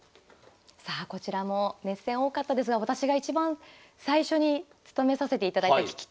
さあこちらも熱戦多かったですが私がいちばん最初に務めさせていただいた聞き手の一戦。